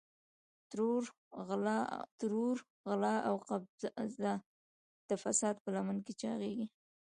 ترور، غلا او قبضه د فساد په لمن کې چاغېږي.